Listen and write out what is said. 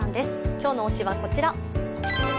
今日の推しはこちら。